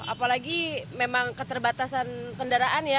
apalagi memang keterbatasan kendaraan ya